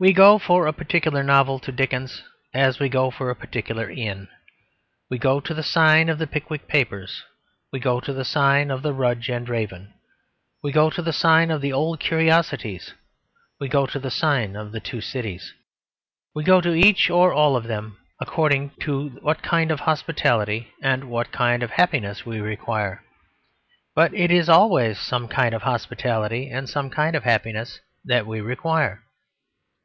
We go for a particular novel to Dickens as we go for a particular inn. We go to the sign of the Pickwick Papers. We go to the sign of the Rudge and Raven. We go to the sign of the Old Curiosities. We go to the sign of the Two Cities. We go to each or all of them according to what kind of hospitality and what kind of happiness we require. But it is always some kind of hospitality and some kind of happiness that we require.